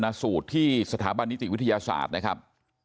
สูตรที่สถาบันนิติวิทยาศาสตร์นะครับ